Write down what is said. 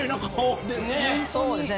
そうですね。